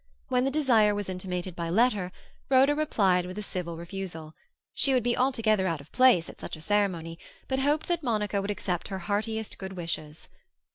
When the desire was intimated by letter, Rhoda replied with a civil refusal: she would be altogether out of place at such a ceremony, but hoped that Monica would accept her heartiest good wishes.